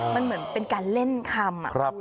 มันเหมือนเป็นการเล่นคำ